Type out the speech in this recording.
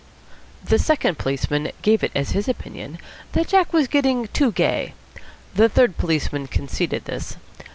The second policeman gave it as his opinion that Jack was getting too gay. The third policeman conceded this.